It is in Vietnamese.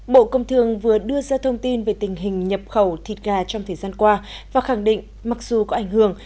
bộ công thương vừa đưa ra thông tin về tình hình nhập khẩu thịt gà trong thời gian qua và khẳng định mặc dù có ảnh hưởng